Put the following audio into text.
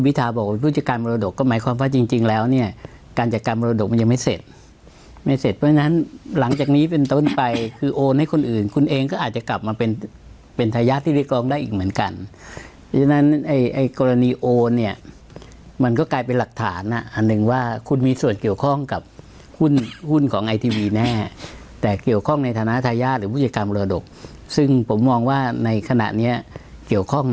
เป็นต้นไปคือโอนให้คนอื่นคุณเองก็อาจจะกลับมาเป็นเป็นทายาทที่เรียกรองได้อีกเหมือนกันเพราะฉะนั้นไอ้ไอ้กรณีโอนเนี้ยมันก็กลายเป็นหลักฐานอ่ะอันหนึ่งว่าคุณมีส่วนเกี่ยวข้องกับหุ้นหุ้นของไอทีวีแน่แต่เกี่ยวข้องในฐานะทายาทหรือผู้จัดการมรดกซึ่งผมมองว่าในขณะเนี้ยเกี่ยวข้อง